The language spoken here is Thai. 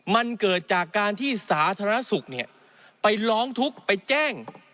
มันเกิดจากการที่สาธารณสุขไปร้องทุกข์ไปแจ้ง